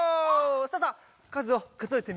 さあさあかずをかぞえてみましょう。